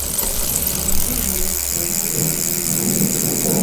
Alukyamya oba alusima nnyo?